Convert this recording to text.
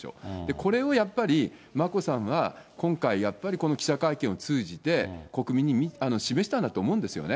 これをやっぱり、眞子さんは今回やっぱり、この記者会見を通じて、国民に示したんだと思うんですよね。